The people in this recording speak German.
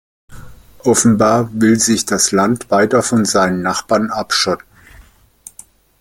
Offenbar will sich das Land weiter von seinen Nachbarn abschotten.